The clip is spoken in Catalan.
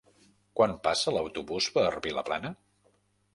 Quan passa l'autobús per Vilaplana?